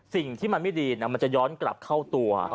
สิ่งที่มันไม่ดีมันจะย้อนกลับเข้าตัว